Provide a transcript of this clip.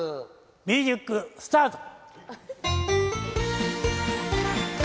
ミュージックスタート！